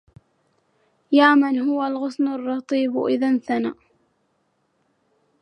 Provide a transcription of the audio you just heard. يا من هو الغصن الرطيب إذا انثنى